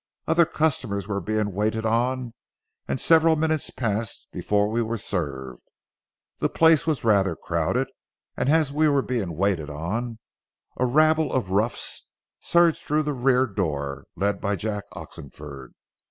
Other customers were being waited on, and several minutes passed before we were served. The place was rather crowded, and as we were being waited on, a rabble of roughs surged through a rear door, led by Jack Oxenford.